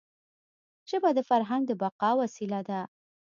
ژبه د فرهنګ د بقا وسیله ده.